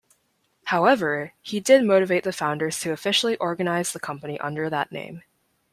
However, he did motivate the founders to officially organize the company under that name.